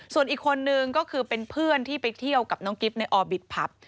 ส่วนอีกคนนึงก็คือเป็นเพื่อนที่ไปเที่ยวกับน้องกิ๊บในอบิตผับ